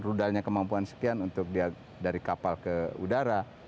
rudalnya kemampuan sekian untuk dia dari kapal ke udara